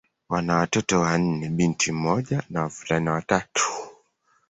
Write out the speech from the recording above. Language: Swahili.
Wana watoto wanne: binti mmoja na wavulana watatu.